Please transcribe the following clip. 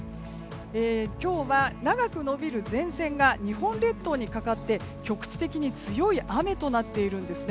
今日は長く延びる前線が日本列島にかかって局地的に強い雨となっているんです。